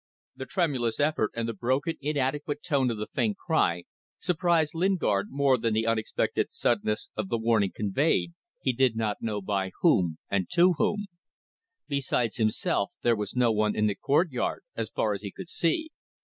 The tremulous effort and the broken, inadequate tone of the faint cry, surprised Lingard more than the unexpected suddenness of the warning conveyed, he did not know by whom and to whom. Besides himself there was no one in the courtyard as far as he could see.